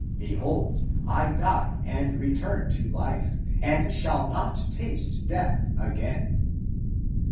Be hold, I die and return to life, and shall not taste death again.